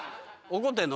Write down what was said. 怒ってんの？